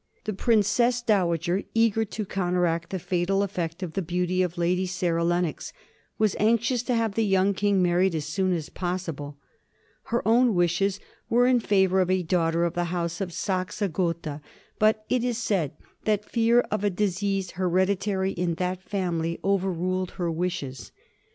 The Princess Dowager, eager to counteract the fatal effect of the beauty of Lady Sarah Lennox, was anxious to have the young King married as soon as possible. Her own wishes were in favor of a daughter of the House of Saxe Gotha, but it is said that fear of a disease hereditary in the family overruled her wishes.